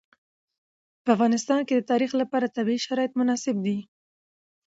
په افغانستان کې د تاریخ لپاره طبیعي شرایط مناسب دي.